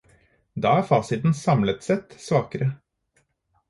Da er fasiten samlet sett svakere.